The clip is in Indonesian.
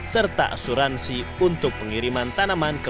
serta asuransi untuk pembinaan tanaman hias